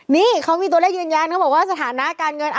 นี่เขามีตัวเลขยืนยันเขาบอกว่าสถานะการเงิน